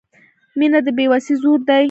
• مینه د بې وسۍ زور دی.